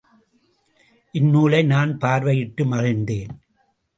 இந்நூலை நான் பார்வையிட்டு மகிழ்ந்தேன்.